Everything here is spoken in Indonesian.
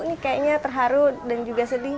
ini kayaknya terharu dan juga sedih